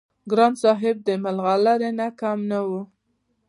ګران صاحب د ملغلرې نه کم نه وو-